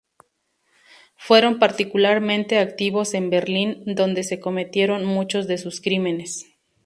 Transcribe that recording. Fueron particularmente activos en Berlín, donde se cometieron muchos de sus crímenes.